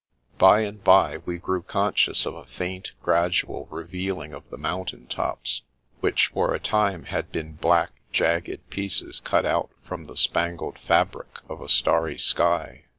By and bye we grew conscious of a faint, gradual revealing of the mountain tops, which for a time had been black, jagged pieces cut out from the spangled fabric of a starry sky.